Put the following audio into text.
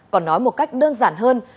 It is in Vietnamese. còn nói một cách đơn giản hơn